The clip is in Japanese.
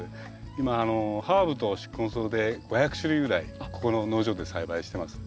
今ハーブと宿根草で５００種類ぐらいここの農場で栽培してます。